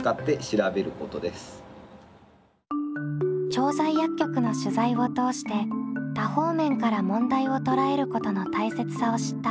調剤薬局の取材を通して多方面から問題を捉えることの大切さを知ったマッキー。